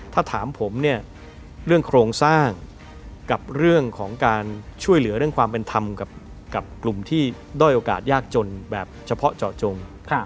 ถ้าถามผมเนี่ยเรื่องโครงสร้างกับเรื่องของการช่วยเหลือเรื่องความเป็นธรรมกับกลุ่มที่ด้อยโอกาสยากจนแบบเฉพาะเจาะจง